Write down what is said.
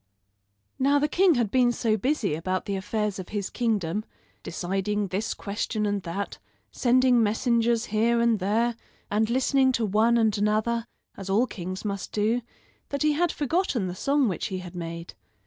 Now the king had been so busy about the affairs of his kingdom deciding this question and that, sending messengers here and there, and listening to one and another, as all kings must do, that he had forgotten the song which he had made.